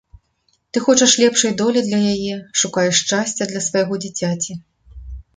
Ты хочаш лепшай долі для яе, шукаеш шчасця для свайго дзіцяці.